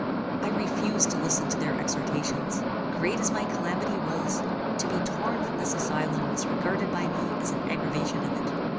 I refused to listen to their exhortations. Great as my calamity was, to be torn from this asylum was regarded by me as an aggravation of it.